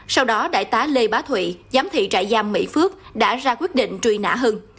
sau đó đại tá lê bá thụy giám thị trại giam mỹ phước đã ra quyết định truy nã hưng